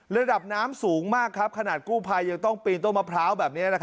ระดับน้ำสูงมากครับขนาดกู้ภัยยังต้องปีนต้นมะพร้าวแบบนี้